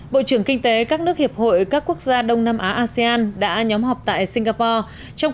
bộ trưởng kinh tế các nước hiệp hội các quốc gia đông nam á asean đã nhóm họp tại singapore trong